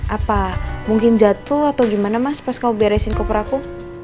apa mungkin jatuh atau gimana mas pas kamu beresin koper aku